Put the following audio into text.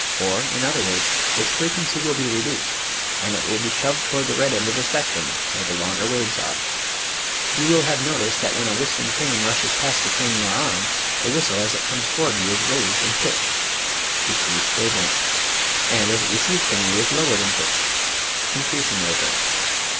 Or in other words, its frequency will be reduced and it will be shoved toward the red end of the spectrum where the longer waves are. You will have noticed that when a whistling train rushes past the train you are on, the whistle as it comes to 86 EASY LESSONS IN EINSTEIN ward you is raised in pitch (decreased wave length) and as it recedes from you is lowered in pitch (in creased wave length).